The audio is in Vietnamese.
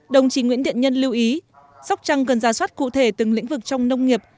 đồng chí nguyễn thiện nhân lưu ý sóc trăng cần ra soát cụ thể từng lĩnh vực trong nông nghiệp